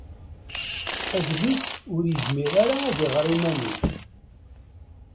Adlis ur izmer ara ad iɣer iman-is.